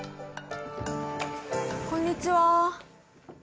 こんにちは。